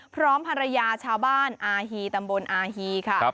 พร้อมภรรยาชาวบ้านอาฮีตำบลอาฮีค่ะ